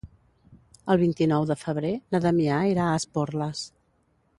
El vint-i-nou de febrer na Damià irà a Esporles.